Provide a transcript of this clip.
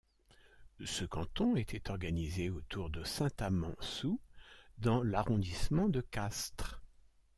Ce canton était organisé autour de Saint-Amans-Soult dans l'arrondissement de Castres.